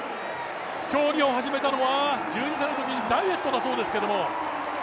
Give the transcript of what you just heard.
競技を始めたのは１２歳のときにダイエットだそうですけども。